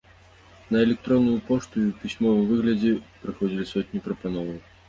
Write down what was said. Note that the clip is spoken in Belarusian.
На электронную пошту і ў пісьмовым выглядзе прыходзілі сотні прапановаў.